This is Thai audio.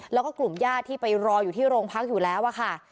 แล้วก็กลุ่มญาติที่ไปรออยู่ที่โรงพักอยู่แล้วค่ะ